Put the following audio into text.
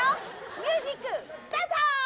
ミュージックスタート！